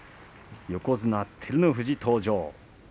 横綱照ノ富士登場。